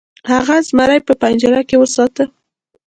هغه زمری په پنجره کې وساته.